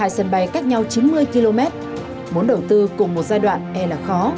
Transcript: hai sân bay cách nhau chín mươi km muốn đầu tư cùng một giai đoạn e là khó